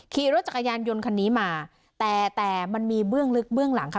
ขี่รถจักรยานยนต์คันนี้มาแต่แต่มันมีเบื้องลึกเบื้องหลังค่ะ